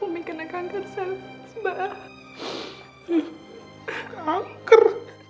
umi kena kanker sebab kanker